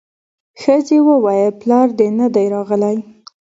ښځې وويل پلار دې نه دی راغلی.